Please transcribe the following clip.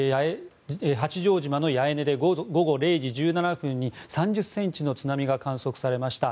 八丈島の八重根で午後０時１７分に３０ｃｍの津波が観測されました。